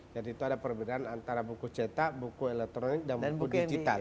jadi itu ada perbedaan antara buku cetak buku elektronik dan buku digital